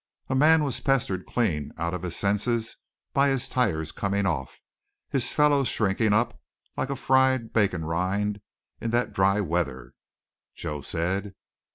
A man was pestered clean out of his senses by his tires coming off, his felloes shrinking up like a fried bacon rind in that dry weather, Joe said.